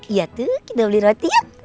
iya tuh kita beli roti yuk